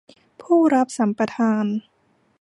ผู้รับสัมปทาน